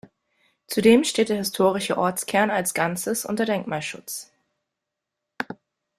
Zudem steht der historische Ortskern als Ganzes unter Denkmalschutz.